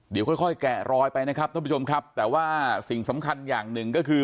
เดี๋ยวค่อยค่อยแกะรอยไปนะครับท่านผู้ชมครับแต่ว่าสิ่งสำคัญอย่างหนึ่งก็คือ